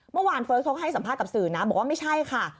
เฟิร์สเขาให้สัมภาษณ์กับสื่อนะบอกว่าไม่ใช่ค่ะ